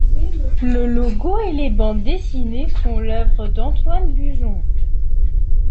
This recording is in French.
Le logo et les bandes dessinées sont l'œuvre d'Antoine Bugeon.